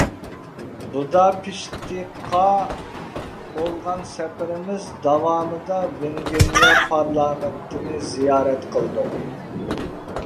بۇداپېشتقا بولغان سەپىرىمىز داۋامىدا ۋېنگىرىيە پارلامېنتىنى زىيارەت قىلدۇق.